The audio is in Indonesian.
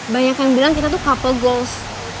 banyak yang bilang kita tuh couple goals